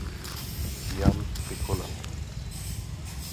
Jan vykonat.